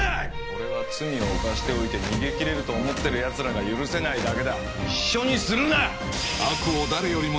俺は罪を犯しておいて逃げ切れると思ってるやつらが許せないだけだ一緒にするな！